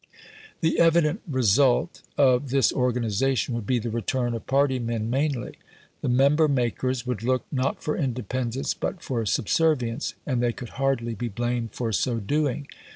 The evident result of this organisation would be the return of party men mainly. The member makers would look, not for independence, but for subservience and they could hardly be blamed for so doing.